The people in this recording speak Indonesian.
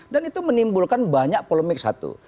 dan itu menimbulkan banyak polemik satu